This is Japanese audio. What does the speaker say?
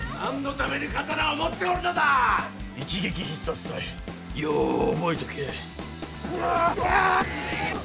一撃必殺隊よう覚えとけ。